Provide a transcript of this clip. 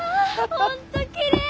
本当きれい！